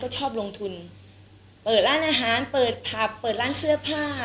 ชอบลงทุนเปิดร้านอาหารเปิดผับเปิดร้านเสื้อผ้า